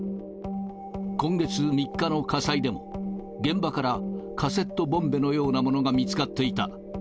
今月３日の火災でも、現場からカセットボンベのようなものが見つかっていた。